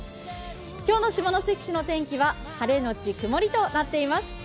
今日の下関市の天気は晴れのち曇りとなっています。